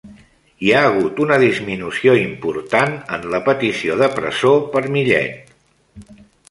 Hi ha hagut una disminució important en la petició de presó per Millet